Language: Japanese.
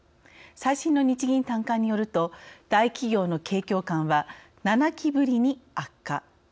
最新の日銀短観によると大企業の景況感は７期ぶりに悪化。